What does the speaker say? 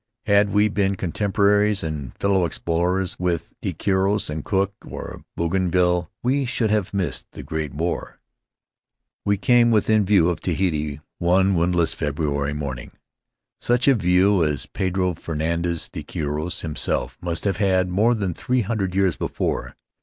Had we been contemporaries aud fellow explorers with De Quiros, or Cook, or Bougainville we should have missed the Great War. We came within view of Tahiti one windless February 2 Faery Lands of the South Seas morning — such a view as Pedro Fernandez de Quiros himself must have had more than three hundred years before.